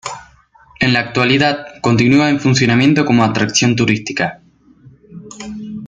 En la actualidad continúa en funcionamiento como atracción turística.